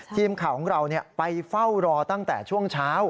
ทีมข่าวของเราไปเฝ้ารอตั้งแต่ช่วงเช้า